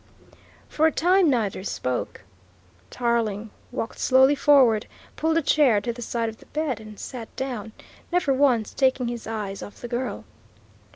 For a time neither spoke. Tarling walked slowly forward, pulled a chair to the side of the bed and sat down, never once taking his eyes off the girl.